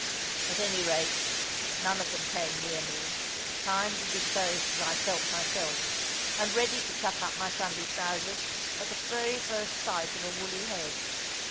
At any rate, none of them came near me, kindly disposed as I felt myself, and ready to tuck up my Sunday trousers at the very first sight of a woolly head.